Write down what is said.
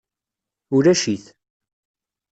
Ulac-it.